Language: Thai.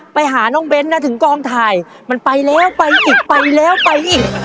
ไปหาน้องเบ้นนะถึงกองถ่ายมันไปแล้วไปอีกไปแล้วไปอีก